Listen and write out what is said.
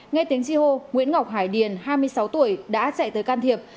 nghe tiếng chi hô nguyễn ngọc hải điền hai mươi sáu tuổi đã chạy tới can thiệp